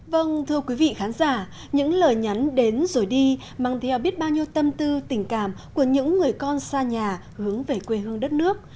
vâng thưa quý vị khán giả những lời nhắn đến rồi đi mang theo biết bao nhiêu tâm tư tình cảm của những người con xa nhà hướng về quê hương đất nước